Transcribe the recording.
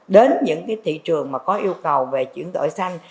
đến những thị trường mà có yêu cầu về chuyển đổi xanh